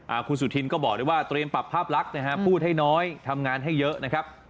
คุณสุธินก็บอกได้ว่าเตรียมปรับภาพลักษณ์นะฮะพูดให้น้อยทำงานให้เยอะนะครับ